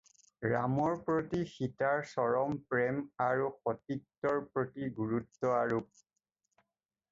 ৰামৰ প্ৰতি সীতাৰ চৰম প্ৰেম আৰু সতীত্বৰ প্ৰতি গুৰুত্ব আৰোপ।